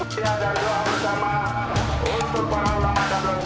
saya akan doa bersama untuk para ulama dan rakyat